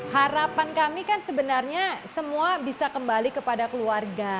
harapan kami kan sebenarnya semua bisa kembali kepada keluarga